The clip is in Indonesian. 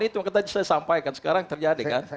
itu makanya saya sampaikan sekarang terjadi kan